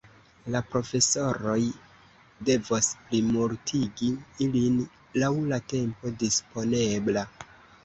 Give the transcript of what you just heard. La profesoroj devos plimultigi ilin laŭ la tempo disponebla.